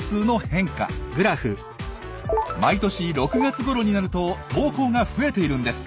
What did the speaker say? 毎年６月ごろになると投稿が増えているんです。